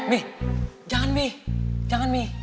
mi jangan mi jangan mi